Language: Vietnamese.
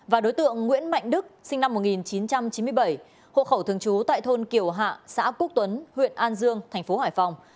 và đối tượng nguyễn mạnh đức sinh năm một nghìn chín trăm chín mươi bảy hộ khẩu thương chú tại thôn kiểu hạ xã quốc tuấn huyện an dương tp hải phòng